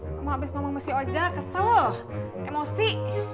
ngomong ngomong besi aja kesel loh emosi